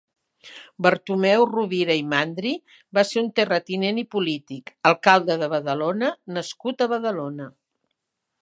Bartomeu Rovira i Mandri va ser un terratinent i polític, alcalde de Badalona nascut a Badalona.